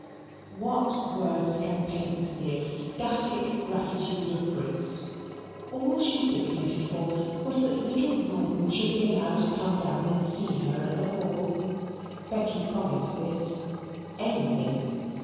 What words can paint the ecstatic gratitude of Briggs! All she stipulated for was that little Rawdon should be allowed to come down and see her at the Hall. Becky promised this anything.